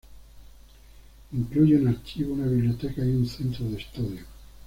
Incluye un archivo, una biblioteca y un centro de estudio.